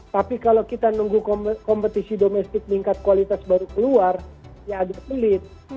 tapi kalau kita nunggu kompetisi domestik meningkat kualitas baru keluar ya agak sulit